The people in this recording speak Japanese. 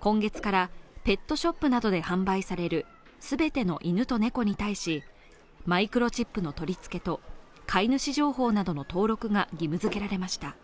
今月からペットショップなどで販売される全ての犬と猫に対しマイクロチップの取り付けと飼い主情報などの登録が義務づけられました。